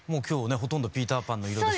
ほとんどピーター・パンの色で。